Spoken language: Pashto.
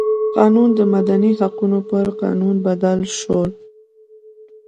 قانون د مدني حقونو پر قانون بدل شو.